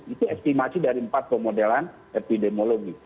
itu estimasi dari empat pemodelan epidemiologi